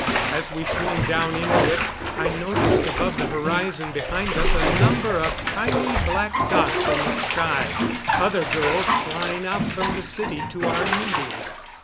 As we swung down into it I noticed above the horizon behind us a number of tiny black dots in the sky other girls flying out from the city to our meeting.